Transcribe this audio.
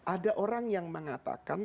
ada orang yang mengatakan